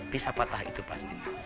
bisa patah itu pasti